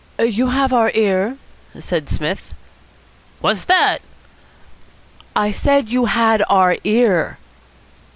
"You have our ear," said Psmith. "What's that?" "I said you had our ear."